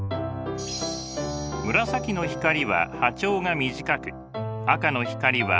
紫の光は波長が短く赤の光は波長が長い。